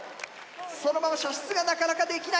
そのまま射出がなかなかできない。